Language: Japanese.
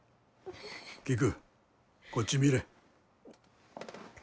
キクこっち見れ。